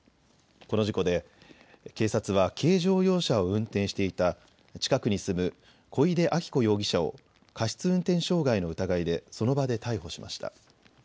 この事故で警察は軽乗用車を運転していた近くに住む小出あき子容疑者を過失運転傷害の疑いでその場で逮捕しました。